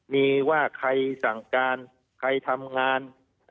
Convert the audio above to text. มีว่าใครสั่งการใครทำงาน